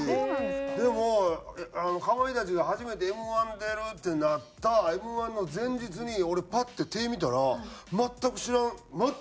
でもかまいたちが初めてＭ−１出るってなったＭ−１の前日に俺パッて手見たら全く知らん全く身に覚えのない傷がサーッとあって